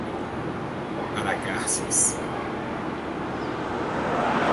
Aragarças